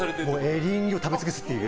エリンギを食べ尽くすっていう。